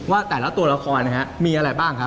ว่าแต่ละตัวละครมีอะไรบ้างครับ